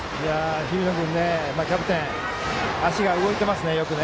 日比野君、キャプテンよく足が動いていますね。